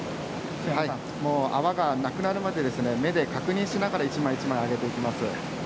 泡がなくなるまで目で確認しながら一枚一枚、揚げています。